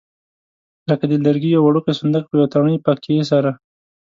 لکه د لرګي یو وړوکی صندوق په یوه تڼۍ پکې سره.